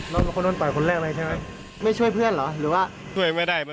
แล้วมันต่อยคนแรกไหมใช่ไหม